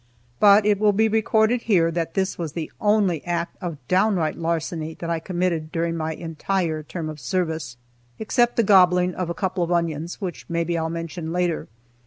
But it will be recorded here that this was the only act of downright larceny that I committed during my entire term of service, except the gobbling of a couple of onions, which maybe I'll mention later.